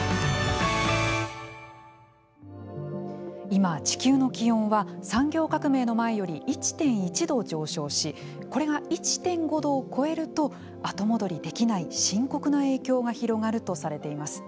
今、地球の気温は産業革命の前より１．１度上昇しこれが１．５度を超えると後戻りできない深刻な影響が広がるとされています。